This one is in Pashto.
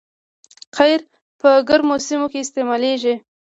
قیر په ګرمو سیمو کې استعمالیږي